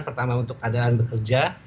pertama untuk keadaan bekerja